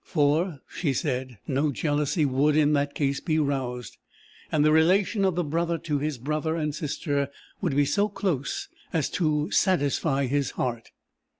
For, she said, no jealousy would in that case be roused; and the relation of the brother to his brother and sister would be so close as to satisfy his heart.